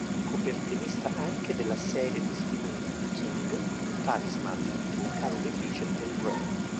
Copertinista anche della serie di Stephen King “The Talisman” della casa editrice Del Rey.